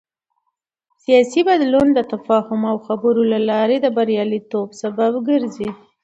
سیاسي بدلون د تفاهم او خبرو له لارې د بریالیتوب سبب ګرځي